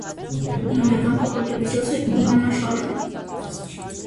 Հիմնական փոխադրամիջոցը ինանաշարժն է։